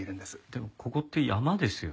でもここって山ですよね？